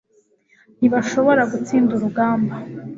ntibashobora gutsinda urugamba